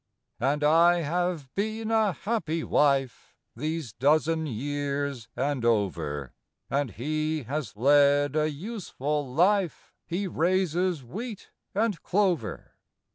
And I have been a happy wife These dozen years and over ; And he has led a useful life — He raises wheat and clover.